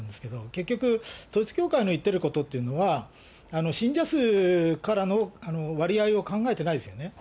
結局、統一教会の言ってることってのは、信者数からの割合を考えてないですよね。